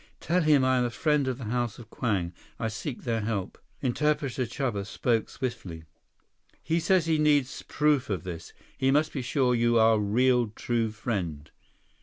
"Tell him I am a friend of the House of Kwang. I seek their help." Interpreter Chuba spoke swiftly. "He says he needs proof of this. He must be sure you are real true friend."